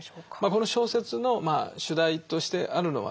この小説の主題としてあるのはですね